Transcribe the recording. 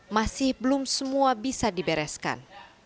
masih belum semua bisa dibereskan